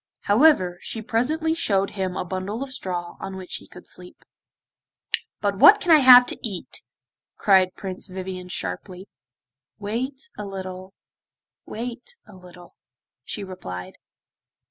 However, she presently showed him a bundle of straw on which he could sleep. 'But what can I have to eat?' cried Prince Vivien sharply. 'Wait a little, wait a little,' she replied.